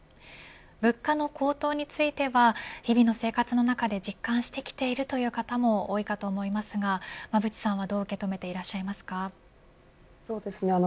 物価の高騰については日々の生活の中で実感してきているという方も多いかと思いますが馬渕さんは、どうそうですね。